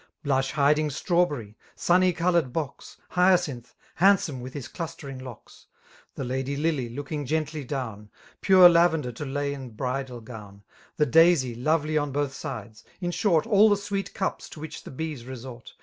66 » Blush hiding stm^berry, sunby eoloared box» Hyacinth, handflome with his chutaiiig locks. The lady lily, looking gently down. Pure lavender, to lay in bridal gown. The daisy, lovely on both sides,— in short. All the sweet cups to which the bees xesort.